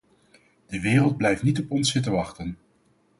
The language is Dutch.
De wereld blijft niet op ons zitten wachten.